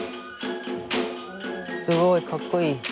すごいかっこいい。